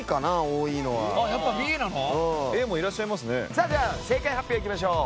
さあじゃあ正解発表いきましょう。